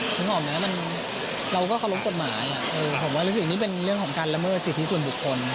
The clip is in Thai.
นึกออกไหมเราก็เคารพกฎหมายผมว่ารู้สึกนี่เป็นเรื่องของการละเมิดสิทธิส่วนบุคคล